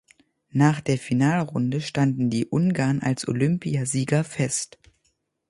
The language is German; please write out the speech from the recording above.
Nach der Finalrunde standen die Ungarn als Olympiasieger fest.